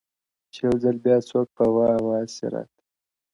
• چي يو ځل بيا څوک په واه ؛واه سي راته؛